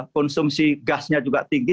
konsumsi gasnya juga tinggi